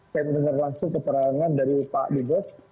saya dengar langsung keterangan dari pak dikot